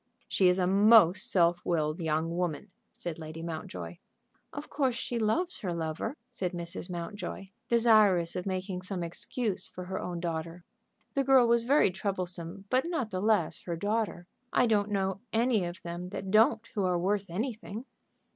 "She is a most self willed young woman," said Lady Mountjoy. "Of course she loves her lover," said Mrs. Mountjoy, desirous of making some excuse for her own daughter. The girl was very troublesome, but not the less her daughter. "I don't know any of them that don't who are worth anything."